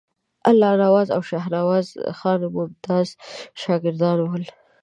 الله نواز او شاهنواز خان ممتاز شاګردان ول.